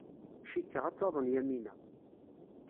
Cikkeɣ ad taḍen Yamina.